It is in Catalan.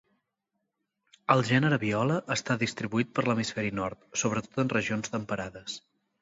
El gènere Viola està distribuït per l'hemisferi nord, sobretot en regions temperades.